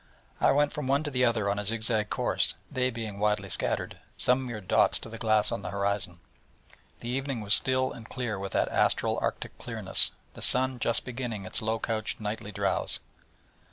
I went from one to the other on a zig zag course, they being widely scattered, some mere dots to the glass on the horizon. The evening was still and clear with that astral Arctic clearness, the sun just beginning his low couched nightly drowse.